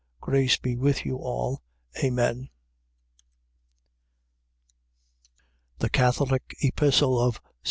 Grace be with you all. Amen. THE CATHOLIC EPISTLE OF ST.